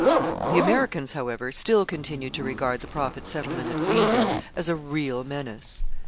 The Americans, however, still continued to regard the Prophet's settlement at Greenville as a real menace.